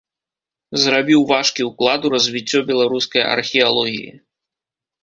Зрабіў важкі ўклад у развіццё беларускай археалогіі.